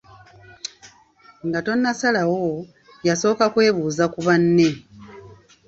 Nga tonnasalawo, yasooka kwebuuza ku banne.